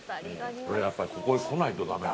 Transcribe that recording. やっぱり、ここに来ないとだめだ。